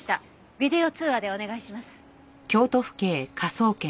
ビデオ通話でお願いします。